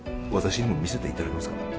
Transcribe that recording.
私にも見せていただけますか？